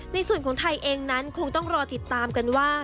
ในส่วนของไทยเองนั้นคงต้องรอติดตามกันว่า